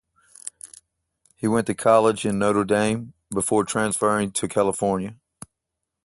He went to college at Notre Dame before transferring to California.